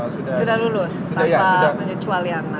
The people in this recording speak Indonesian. sudah lulus tanpa menyecuali yang lain